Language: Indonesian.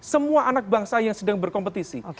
semua anak bangsa yang sedang berkompetisi